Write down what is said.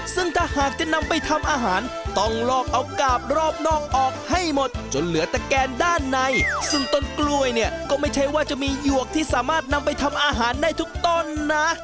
ซึ่งถ้าหากจะนำไปทำอาหารต้องลอกเอากาบรอบนอกออกให้หมดจนเหลือตะแกนด้านในซึ่งต้นกล้วยเนี่ยก็ไม่ใช่ว่าจะมีหยวกที่สามารถนำไปทำอาหารได้ทุกต้นนะ